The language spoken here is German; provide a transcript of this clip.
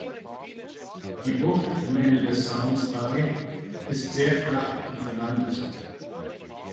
Die Bucht am Ende des Sounds bei ist sehr flach und verlandet.